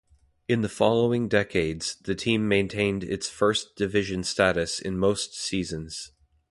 In the following decades, the team maintained its first division status in most seasons.